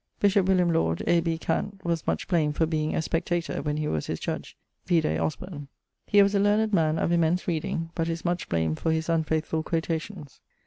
Bishop William Lawd, A. B. Cant., was much blamed for being a spectator, when he was his judge: vide Osburne. He was a learned man, of immense reading, but is much blamed for his unfaithfull quotations.